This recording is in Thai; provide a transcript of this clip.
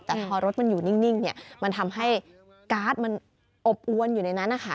แต่พอรถมันอยู่นิ่งเนี่ยมันทำให้การ์ดมันอบอวนอยู่ในนั้นนะคะ